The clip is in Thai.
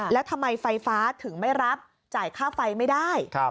แล้วทำไมไฟฟ้าถึงไม่รับจ่ายค่าไฟไม่ได้